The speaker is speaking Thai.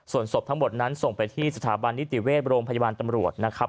ส่วนศพทั้งหมดนั้นส่งไปที่สถาบันนิติเวชโรงพยาบาลตำรวจนะครับ